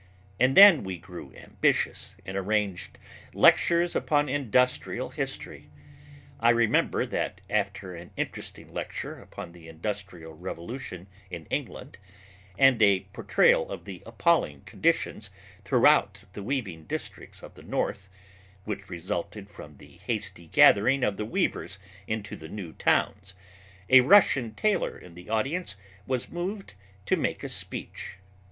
And then we grew ambitious and arranged lectures upon industrial history. I remember that after an interesting lecture upon the industrial revolution in England and a portrayal of the appalling conditions throughout the weaving districts of the north, which resulted from the hasty gathering of the weavers into the new towns, a Russian tailor in the audience was moved to make a speech.